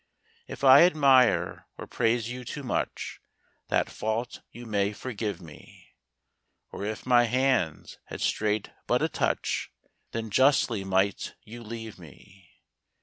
If I admire or praise you too much, That fault you may forgive me, Or if my hands had strayed but a touch, Then justly might you leave me.